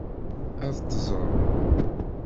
Ad teẓrem.